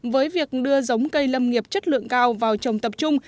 với việc đưa giống cây lâm nghiệp chất lượng cao vào trồng tập trung